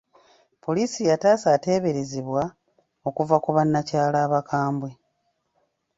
Poliisi yataasa ateeberezebwa okuva ku bannakyalo abakwambwe.